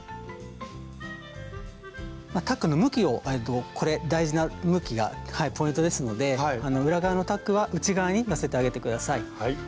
タックの向きをこれ大事な向きがポイントですので裏側のタックは内側に寄せてあげて下さい。